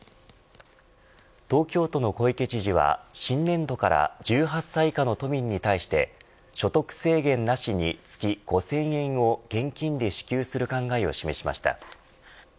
東京都の小池知事は新年度から１８歳以下の都民に対して所得制限なしに、月５０００円を現金で支給する考えを示しました。